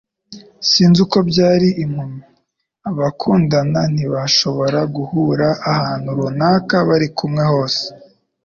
sinzi uko byari impumyi. Abakundana ntibashobora guhurira ahantu runaka. Barikumwe hose. ”